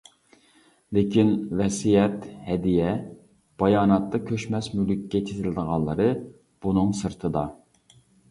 لېكىن، ۋەسىيەت، ھەدىيە، باياناتتا كۆچمەس مۈلۈككە چېتىلىدىغانلىرى بۇنىڭ سىرتىدا.